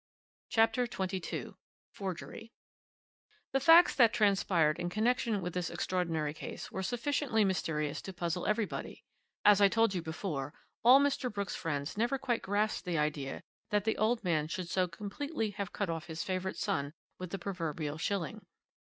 CHAPTER XXII FORGERY "The facts that transpired in connection with this extraordinary case were sufficiently mysterious to puzzle everybody. As I told you before, all Mr. Brooks' friends never quite grasped the idea that the old man should so completely have cut off his favourite son with the proverbial shilling.